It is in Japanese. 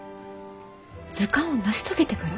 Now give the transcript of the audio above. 図鑑を成し遂げてから？